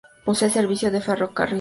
Posee servicio de ferrocarriles.